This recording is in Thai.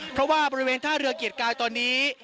เพราะว่าบริเวณท่าเรือเกียรติกายตอนนี้